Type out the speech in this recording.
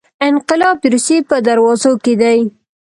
انقلاب د روسیې په دروازو کې دی.